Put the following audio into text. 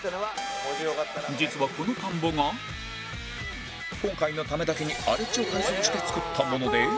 実はこの田んぼが今回のためだけに荒れ地を改造して作ったもので